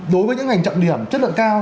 đối với những ngành trọng điểm chất lượng cao